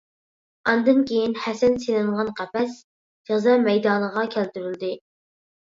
ئاندىن كېيىن، ھەسەن سېلىنغان قەپەس جازا مەيدانىغا كەلتۈرۈلدى.